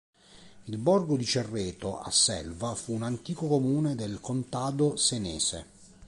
Il borgo di Cerreto a Selva fu un antico comune del contado senese.